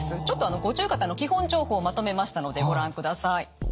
ちょっと五十肩の基本情報をまとめましたのでご覧ください。